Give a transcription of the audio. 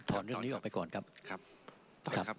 ถอนเรื่องนี้ออกไปก่อนครับ